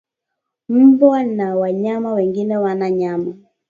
mbwa na wanyama wengine wala nyama